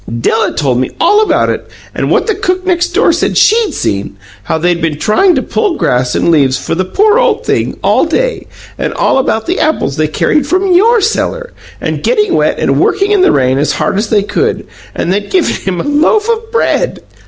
Della told me all about it, and what the cook next door said SHE'D seen, how they'd been trying to pull grass and leaves for the poor old thing all day and all about the apples they carried from YOUR cellar, and getting wet and working in the rain as hard as they could and they'd given him a loaf of bread!